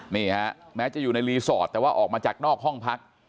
นี่ฮะแม้จะอยู่ในรีสอร์ทแต่ว่าออกมาจากนอกห้องพัก